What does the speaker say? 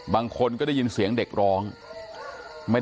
ฐานพระพุทธรูปทองคำ